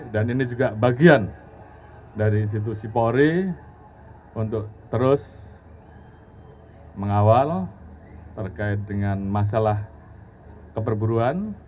dan ini juga bagian dari institusi polri untuk terus mengawal terkait dengan masalah keperburuan